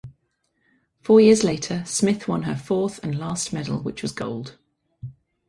Four years later Smith won her fourth and last medal which was gold.